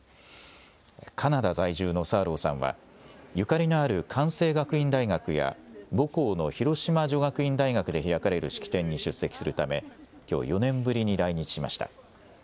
カナダ在住のサーローさんはゆかりのある関西学院大学や母校の広島女学院大学で開かれる式典に出席するためきょう４年ぶりに来日しました。